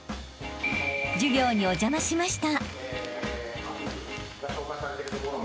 ［授業にお邪魔しました］